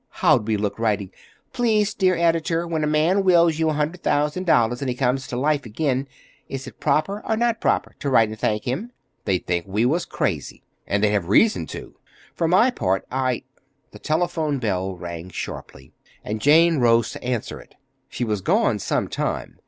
How'd we look writing, 'Please, dear Editor, when a man wills you a hundred thousand dollars and then comes to life again, is it proper or not proper to write and thank him?' They'd think we was crazy, and they'd have reason to! For my part, I—" The telephone bell rang sharply, and Jane rose to answer it. She was gone some time.